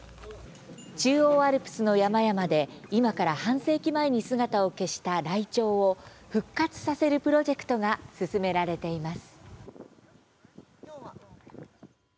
中央アルプスの山々で今から半世紀前に姿を消したライチョウを復活させるプロジェクトが進められています。